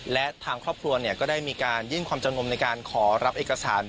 และทางครอบครัวก็ได้มีการยื่นความจำงมในการขอรับเอกสาร